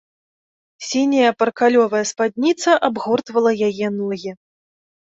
Сіняя паркалёвая спадніца абгортвала яе ногі.